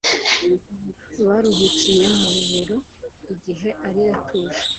Baruhukiye mu bibero igihe arira atuje